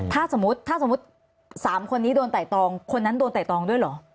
ถ้าสมมุติ๓คนนี้โดนใต้ตรองคนนั้นโดนใต้ตรองด้วยหรอ